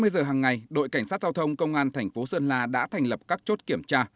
hai mươi giờ hằng ngày đội cảnh sát giao thông công an thành phố sơn la đã thành lập các chốt kiểm tra